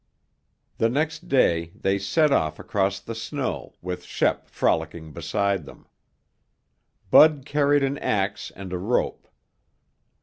The next day they set off across the snow with Shep frolicking beside them. Bud carried an ax and a rope.